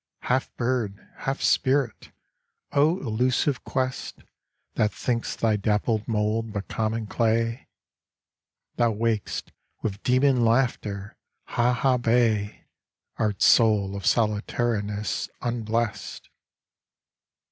Half bird, half spirit! O elusive quest That thinks thy dappled mould but common clay! Thou wak'st with demon laughter Ha Ha Bay, Art soul of solitariness, unblest.